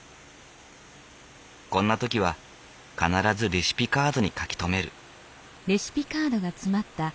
こんな時は必ずレシピカードに書き留める。